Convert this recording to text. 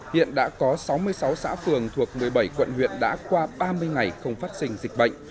hiện đã có sáu mươi sáu xã phường thuộc một mươi bảy quận huyện đã qua ba mươi ngày không phát sinh dịch bệnh